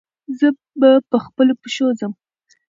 زه به پخپلو پښو ځم.